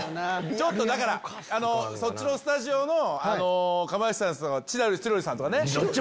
ちょっとだからそっちのスタジオのカバイスタシさんとかチロルさんとかね。